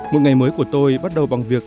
một ngày mới của tôi bắt đầu bằng việc